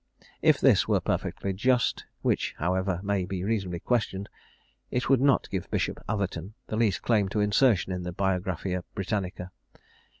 If this were perfectly just, which however may be reasonably questioned, it would not give Bishop Atherton the least claim to insertion in the Biographia Britannica.